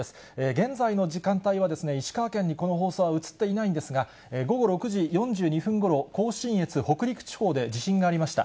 現在の時間帯は、石川県にこの放送は映っていないんですが、ごご６時４２分ごろ、甲信越、北陸地方で地震がありました。